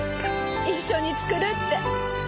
一緒に作るって。